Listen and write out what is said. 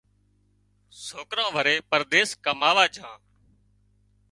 سوڪران وري پرديس ڪماوا جھا